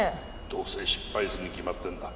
「どうせ失敗するに決まってるんだ。